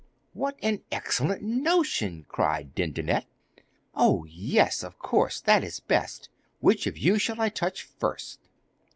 'What an excellent notion!' cried Dindonette. 'Oh, yes, of course that is best! Which of you shall I touch first?